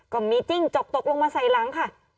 จิ้งจกตกลงมาใส่หลังค่ะ